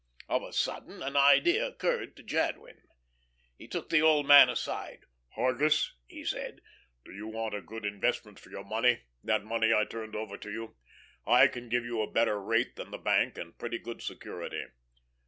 Of a sudden an idea occurred to Jadwin. He took the old man aside. "Hargus," he said, "do you want a good investment for your money, that money I turned over to you? I can give you a better rate than the bank, and pretty good security.